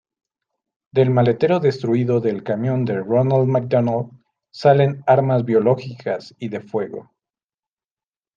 Del maletero destruido del camión de Ronald McDonald salen armas biológicas y de fuego.